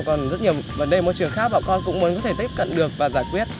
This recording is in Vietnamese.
còn rất nhiều vấn đề môi trường khác bọn con cũng muốn có thể tiếp cận được và giải quyết